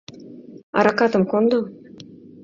Аракатым кондо.